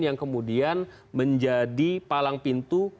yang kemudian menjadi palang pintu